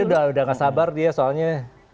fanny dari tadi udah gak sabar dia soalnya